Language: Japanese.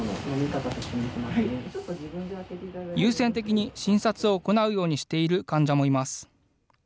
優先的に診察を行うようにしている患者もいます。